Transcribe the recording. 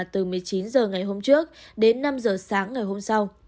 từ một mươi chín h ngày hôm trước đến năm h sáng ngày hôm sau